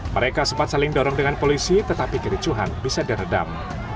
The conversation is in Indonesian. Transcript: mereka sempat saling dorong dengan polisi tetapi kericuhan bisa diredam